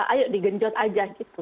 ayo digenjot aja gitu